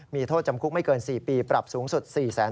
มีโทษจำคุกไม่เกิน๔ปีปรับสูงสุด